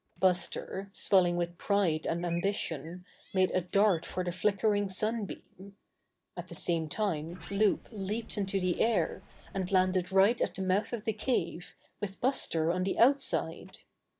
Buster, swelling with pride and ambition, made a dart for the flickering sun beam. At the same time Loup leaped into the air, and landed right at the mouth of the cave, with Buster on the outside.